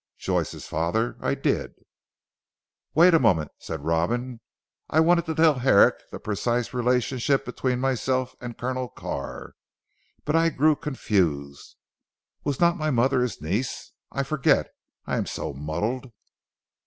"Joyce's father? I did." "Wait a moment," said Robin, "I wanted to tell Herrick the precise relationship between myself and Colonel Carr, but I grew confused. Was not my mother his niece? I forget. I am so muddled."